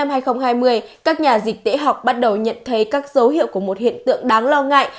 trong nửa cuối năm hai nghìn hai mươi các nhà dịch tễ học bắt đầu nhận thấy các dấu hiệu của một hiện tượng đáng lo ngại